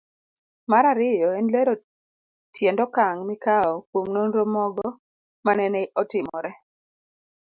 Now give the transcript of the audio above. Mar ariyo en lero tiend okang' mikawo kuom nonro mogo manene otimore